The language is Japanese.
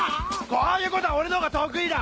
こういうことは俺のほうが得意だ！